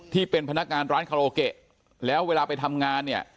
ที่เป็นพนักงานร้านคาราโอเกะแล้วเวลาไปทำงานเนี่ย